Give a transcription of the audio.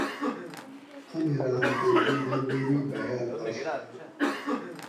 امیران تے دی دربیری بیال آشو